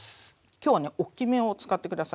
今日はねおっきめを使って下さい。